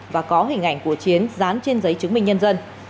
và có hình ảnh của chiến dán trên giấy chứng minh nhân dân